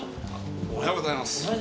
おはようございます。